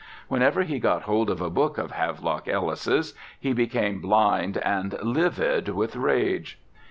Whenever he got hold of a book of Havelock Ellis's he became blind and livid with rage.